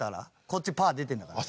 こっちパー出てるんだから。